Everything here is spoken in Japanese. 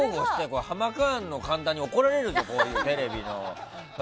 ハマカーンの神田に怒られるぞ、こういうのテレビの。